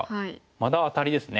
またアタリですね。